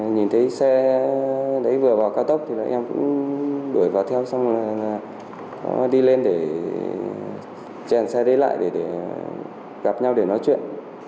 nhìn thấy xe đấy vừa vào cao tốc thì là em cũng đuổi vào theo xong là đi lên để chèn xe đấy lại để gặp nhau để nói chuyện